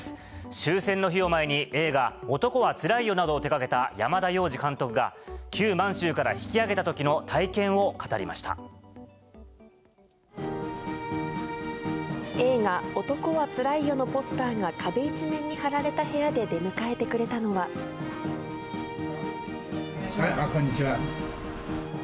終戦の日を前に、映画、男はつらいよなどを手がけた山田洋次監督が、旧満州から引き揚げ映画、男はつらいよのポスターが壁一面に貼られた部屋で出迎えてくれたこんにちは。